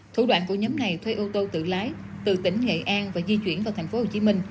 thủ đoạn của nhóm này thuê ô tô tự lái từ tỉnh nghệ an và di chuyển vào tp hcm